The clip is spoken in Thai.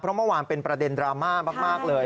เพราะเมื่อวานเป็นประเด็นดราม่ามากเลย